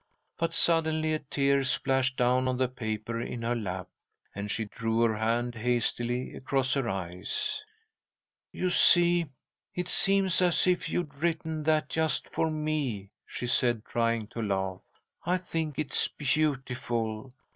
But suddenly a tear splashed down on the paper in her lap, and she drew her hand hastily across her eyes. "You see, it seems as if you'd written that just for me," she said, trying to laugh. "I think it's beautiful!